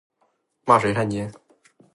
骂谁汉奸